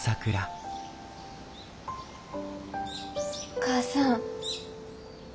お母さん。